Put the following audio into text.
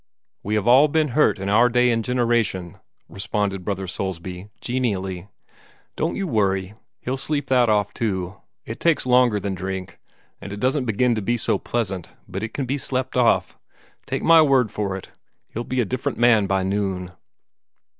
"We have all been hurt in our day and generation," responded Brother Soulsby, genially. "Don't you worry; he'll sleep that off too. It takes longer than drink, and it doesn't begin to be so pleasant, but it can be slept off. Take my word for it, he'll be a different man by noon."